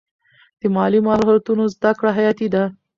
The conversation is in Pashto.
د مالي مهارتونو زده کړه حیاتي ده.